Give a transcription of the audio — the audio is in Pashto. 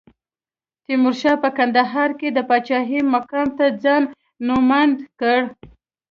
تیمورشاه په کندهار کې د پاچاهۍ مقام ته ځان نوماند کړ.